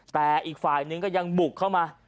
แต่อีกฝ่ายนึงก็ยังบุกเข้ามา